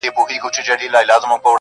• انسان انسان دی انسان څۀ ته وایي ,